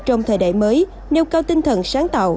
trong thời đại mới nêu cao tinh thần sáng tạo